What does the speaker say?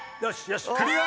［クリア！］